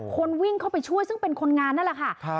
คนวิ่งเข้าไปช่วยซึ่งเป็นคนงานนั่นแหละค่ะ